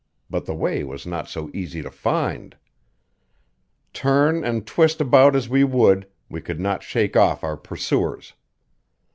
But the way was not so easy to find. Turn and twist about as we would, we could not shake off our pursuers.